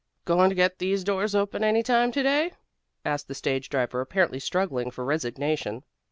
"Going to get these doors open any time to day?" asked the stage driver, apparently struggling for resignation.